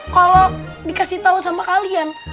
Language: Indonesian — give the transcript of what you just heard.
kalo dikasih tau sama kalian